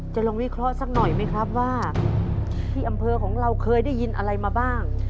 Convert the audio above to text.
ลองวิเคราะห์สักหน่อยไหมครับว่าที่อำเภอของเราเคยได้ยินอะไรมาบ้าง